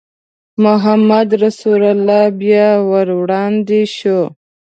محمدرسول بیا ور وړاندې شو.